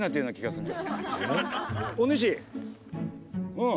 うん。